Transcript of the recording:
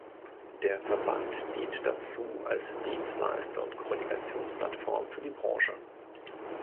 Der Verband dient dazu als Dienstleister und Kommunikationsplattform für die Branche.